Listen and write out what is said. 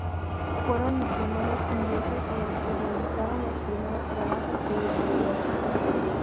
Fueron misioneros ingleses los que realizaron los primeros trabajos de evangelización.